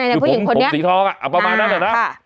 ผู้หญิงคนนี้สีทองประมาณนั้นแหละนะ